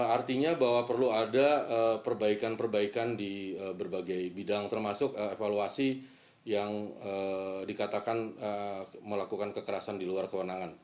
artinya bahwa perlu ada perbaikan perbaikan di berbagai bidang termasuk evaluasi yang dikatakan melakukan kekerasan di luar kewenangan